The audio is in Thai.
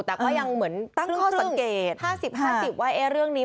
แต่ก็ยังเหมือนตั้งข้อสังเกต๕๐๕๐ว่าเรื่องนี้